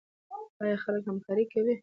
آیا خلک همکاري کوي؟